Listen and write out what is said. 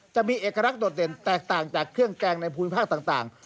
จะมีเอกลักษณ์โดดเด่นแตกต่างจากเครื่องแกงในภูมิภาคต่าง